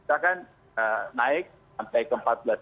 kita kan naik sampai ke empat belas